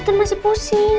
bandit kan masih pusing